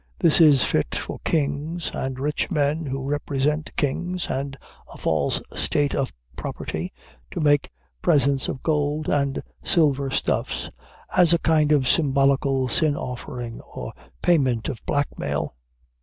This is fit for kings, and rich men who represent kings, and a false state of property, to make presents of gold and silver stuffs, as a kind of symbolical sin offering, or payment of blackmail.